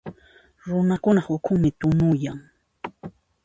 Runakunaq ukhunmi tunuyan.